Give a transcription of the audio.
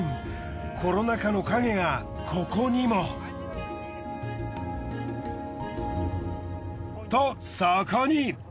コロナ禍の影がここにも。とそこに。